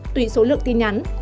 tùy số lượng tin nhắn